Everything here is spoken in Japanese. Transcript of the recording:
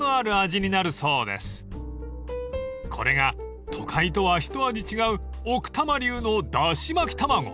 ［これが都会とは一味違う奥多摩流のだし巻き卵］